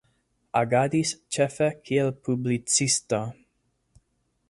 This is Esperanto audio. Agadis, ĉefe, kiel publicisto.